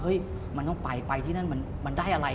มันต้องไปไปที่นั่นมันได้อะไร